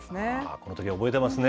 このとき、覚えてますね。